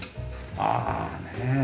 ああねえ。